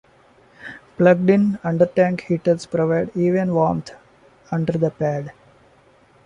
Plugged in, undertank heaters provide even warmth under the pad.